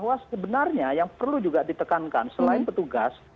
bahwa sebenarnya yang perlu juga ditekankan selain petugas